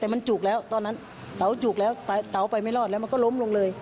แต่มันจุกแล้วตอนนั้นเตาจุกแล้วเต๋าไปไม่รอดแล้วมันก็ล้มลงเลย